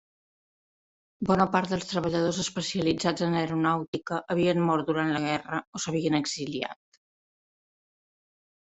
Bona part dels treballadors especialitzats en aeronàutica havien mort durant la guerra o s'havien exiliat.